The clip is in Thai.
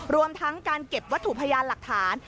รวมทั้งการเก็บวัตถุพยานหลักฐาน